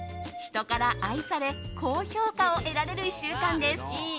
人から愛され高評価を得られる１週間です。